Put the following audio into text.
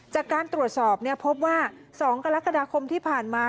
จากการตรวจสอบพบว่า๒กรกฎาคมที่ผ่านมา